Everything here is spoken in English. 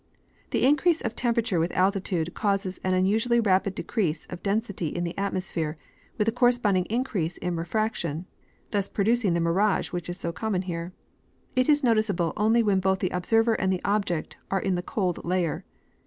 The increase of temj)erature with altitude causes an unusually rapid decrease of density in the atmosphere, with a corresponding increase in refraction, thus producing the mirage which is so common here. It is noticeable only Avhen both the observer and the object are in the cold layer.